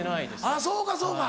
あぁそうかそうか。